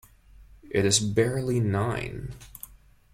It is barely nine.